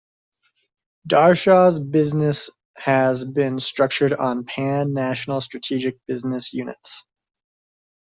Darashaw's business has been structured on Pan National Strategic Business units.